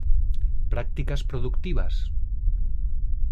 Prácticas productivas.